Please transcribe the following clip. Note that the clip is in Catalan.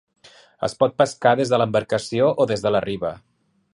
Es pot pescar des d'embarcació o des de la riba.